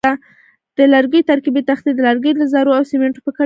د لرګیو ترکیبي تختې د لرګیو له ذرو او سیمټو یا ګچو څخه تیاریږي.